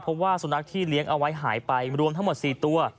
เพราะว่าสุนัขที่เลี้ยงเอาไว้หายไปรวมทั้งหมด๔ตัว